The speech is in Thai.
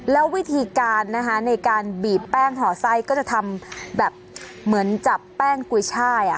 แล้ววิธีการนะคะในการบีบแป้งห่อไส้ก็จะทำแบบเหมือนจับแป้งกุยช่าย